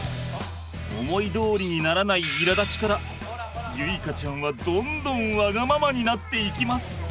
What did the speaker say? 思いどおりにならないいらだちから結花ちゃんはどんどんわがままになっていきます。